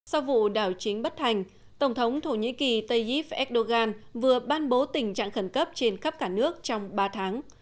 sau vụ đảo chính bất thành tổng thống thổ nhĩ kỳ tayyip erdogan vừa ban bố tình trạng khẩn cấp trên khắp cả nước trong ba tháng